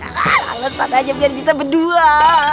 lalu sana aja biar bisa berdua